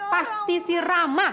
pasti si rama